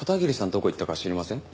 どこ行ったか知りません？